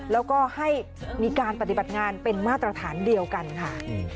แล้วก็ให้มีการปฏิบัติงานเป็นมาตรฐานเดียวกันค่ะ